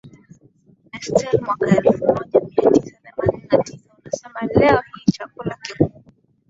Nestel mwaka elfu moja mia tisa themanini na tisa unasema Leo hii chakula kikuu